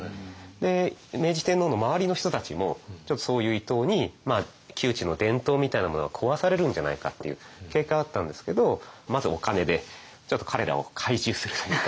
で明治天皇の周りの人たちもちょっとそういう伊藤に宮中の伝統みたいなものが壊されるんじゃないかっていう警戒はあったんですけどまずお金でちょっと彼らを懐柔するというか。